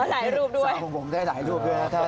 หลายรูปด้วยสร้างของผมได้หลายรูปด้วยนะ